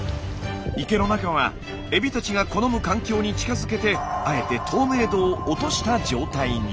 池の中はエビたちが好む環境に近づけてあえて透明度を落とした状態に。